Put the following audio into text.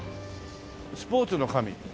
スポーツの神。